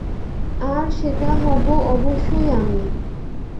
আর সেটা হব অবশ্যই আমি।